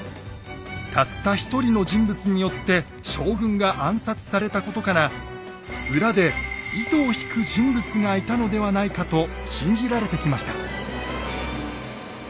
たった一人の人物によって将軍が暗殺されたことから裏で糸を引く人物がいたのではないかと信じられてきました。